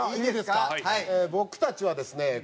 僕たちはですね